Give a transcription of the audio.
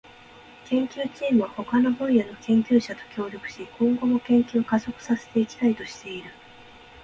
研究チームは他の分野の研究者と協力し、今後も研究を加速させていきたいとしている。